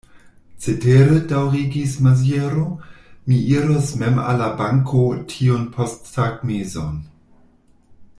Cetere, daŭrigis Maziero, mi iros mem al la banko tiun posttagmezon.